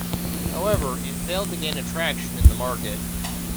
However, it failed to gain attraction in the market.